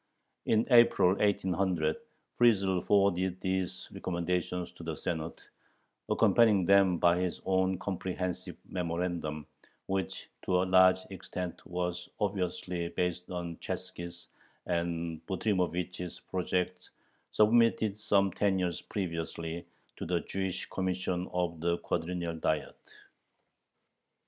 In April, 1800, Friesel forwarded these recommendations to the Senate, accompanying them by his own comprehensive memorandum, which to a large extent was obviously based on Chatzki's and Butrymovich's projects submitted some ten years previously to the "Jewish Commission" of the Quadrennial Diet.